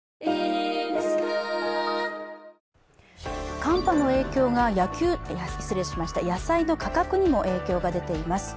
寒波の影響が野菜の価格にも影響が出ています。